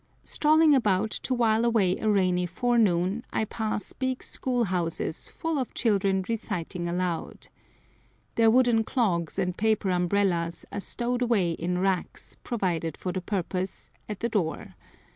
Strolling about to while away a rainy forenoon I pass big school houses full of children reciting aloud. Their wooden clogs and paper umbrellas are stowed away in racks, provided for the purpose, at the door.